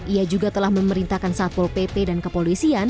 ia juga telah memerintahkan satpol pp dan kepolisian